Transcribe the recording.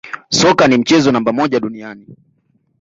Soka ni mchezo namba moja duniani